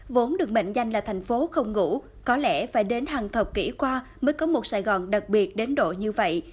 vốn được mệnh danh là thành phố không ngủ có lẽ phải đến hàng thập kỷ qua mới có một sài gòn đặc biệt đến độ như vậy